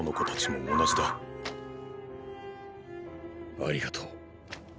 ありがとう。